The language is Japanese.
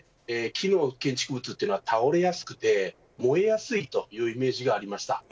木の建築物というのは倒れやすくて燃えやすいというイメージがありました。